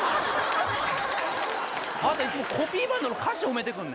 あなたいつもコピーバンドの歌詞褒めてくるの。